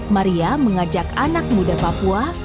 maria mengajak anak muda papua